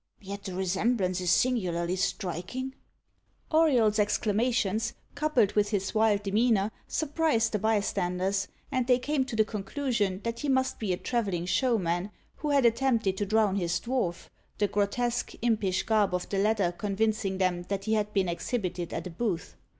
Yet the resemblance is singularly striking!" Auriol's exclamations, coupled with his wild demeanour, surprised the bystanders, and they came to the conclusion that he must be a travelling showman, who had attempted to drown his dwarf the grotesque, impish garb of the latter convincing them that he had been exhibited at a booth.